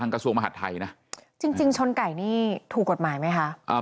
กระทรวงมหาดไทยนะจริงจริงชนไก่นี่ถูกกฎหมายไหมคะ